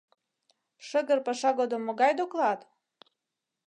Шыгыр паша годым могай доклад?